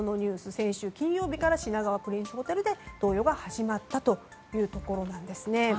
先週金曜日から品川プリンスホテルで投与が始まったというところなんですね。